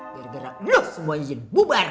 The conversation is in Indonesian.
biar gerak lo semua izin bubar